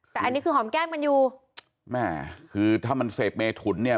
แต่อันนี้คือหอมแก้มกันอยู่แม่คือถ้ามันเสพเมถุนเนี่ย